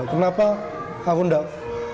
kenapa aku enggak